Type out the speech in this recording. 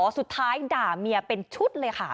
สุดท้ายด่าเมียเป็นชุดเลยค่ะ